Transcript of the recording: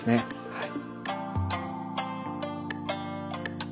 はい。